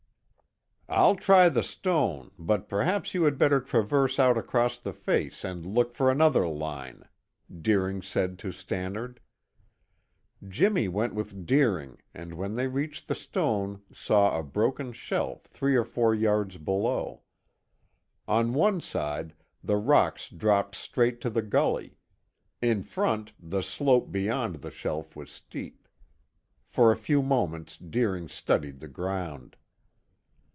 "I'll try the stone, but perhaps you had better traverse out across the face and look for another line," Deering said to Stannard. Jimmy went with Deering, and when they reached the stone saw a broken shelf three or four yards below. On one side, the rocks dropped straight to the gully; in front, the slope beyond the shelf was steep. For a few moments Deering studied the ground.